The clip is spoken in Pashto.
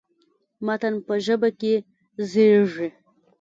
متن په ژبه کې زېږي.